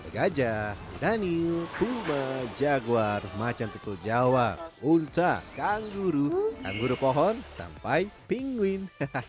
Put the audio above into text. gajah danil puma jaguar macan tutul jawa unta kangguru kangguru pohon sampai pinguin